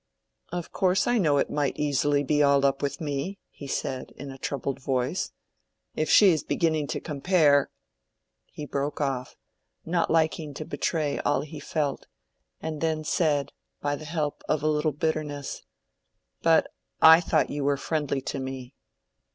"Of course I know it might easily be all up with me," he said, in a troubled voice. "If she is beginning to compare—" He broke off, not liking to betray all he felt, and then said, by the help of a little bitterness, "But I thought you were friendly to me."